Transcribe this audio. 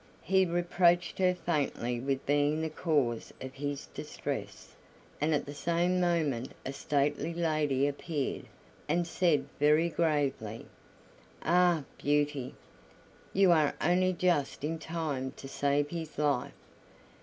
He reproached her faintly with being the cause of his distress, and at the same moment a stately lady appeared, and said very gravely: "Ah! Beauty, you are only just in time to save his life.